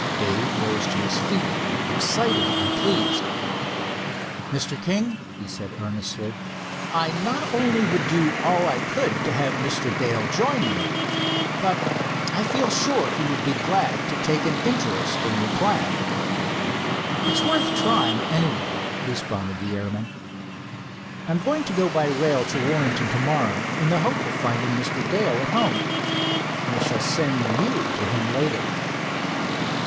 Dave rose to his feet, excited and pleased. "Mr. King," he said earnestly, "I not only would do all I could to have Mr. Dale join you, but I feel sure he would be glad to take an interest in your plan." "It's worth trying, anyway," responded the airman. "I'm going to go by rail to Warrenton to morrow, in the hope of finding Mr. Dale at home. I shall send you to him later."